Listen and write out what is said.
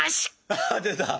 あっ出た！